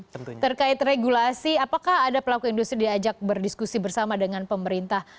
terkait regulasi apakah ada pelaku industri diajak berdiskusi bersama dengan pemerintah